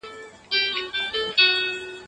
زوی به بېرته کور ته راغلی وي.